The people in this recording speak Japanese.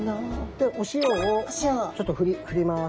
でお塩をちょっとふります。